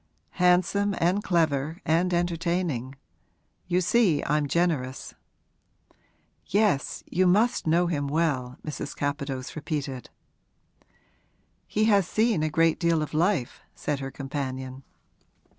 'Handsome and clever and entertaining. You see I'm generous.' 'Yes; you must know him well,' Mrs. Capadose repeated. 'He has seen a great deal of life,' said her companion.